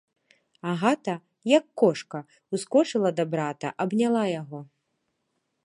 Агата, як кошка, ускочыла да брата, абняла яго.